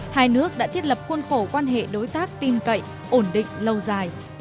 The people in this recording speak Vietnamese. hai nước đã thiết lập khuôn khổ quan hệ đối tác tin cậy ổn định lâu dài